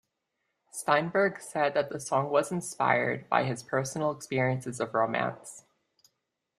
Steinberg said that the song was inspired by his personal experiences of romance.